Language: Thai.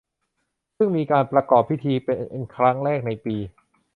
ซึ่งมีการประกอบพิธีเป็นครั้งแรกในปี